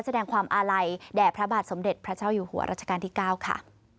แสดงความอาลัยแด่พระบาทสมเด็จพระเจ้าอยู่หัวรัชกาลที่๙ค่ะ